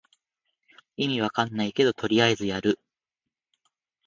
意味わかんないけどとりあえずやる